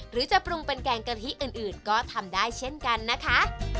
หรือจะปรุงเป็นแกงกะทิอื่นก็ทำได้เช่นกันนะคะ